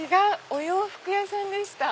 お洋服屋さんでした。